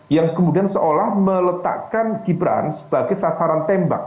yang kemudian seolah meletakkan gibran sebagai sasaran tembak